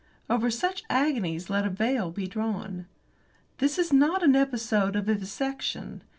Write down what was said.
Over such agonies let a veil be drawn. This is not an episode of vivisection.